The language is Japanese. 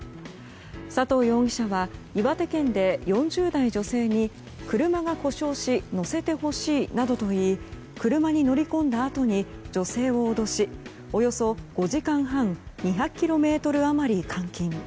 佐藤容疑者は岩手県で、４０代女性に車が故障し乗せてほしいなどと言い車に乗り込んだあとに女性を脅しおよそ５時間半２００ｋｍ余り監禁。